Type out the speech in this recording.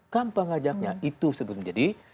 kampang ajaknya itu sebelum jadi